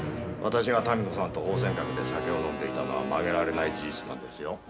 私が民子さんと芳扇閣で酒を飲んでいたのは曲げられない事実なんですよ。